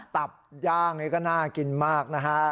ตับย่างนี่ก็น่ากินมากนะฮะ